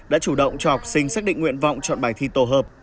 đã chủ động cho học sinh xác định nguyện vọng chọn bài thi tổ hợp